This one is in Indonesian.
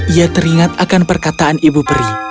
dia mengingat akan perkataan ibu peri